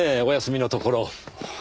お休みのところ。